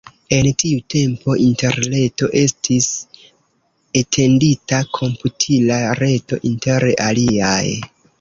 En tiu tempo Interreto estis etendita komputila reto inter aliaj.